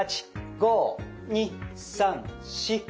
５２３４